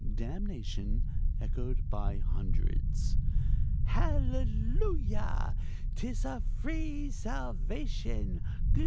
(damnation! echoed by hundreds.) Hallelujah! 'tis a free salvation!